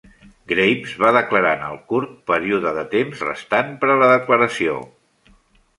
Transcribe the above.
Graves va declarar en el curt període de tems restant per a la declaració.